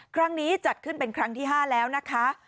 ครั้งนี้จัดขึ้นเป็นครั้งที่๕แล้วนะคะ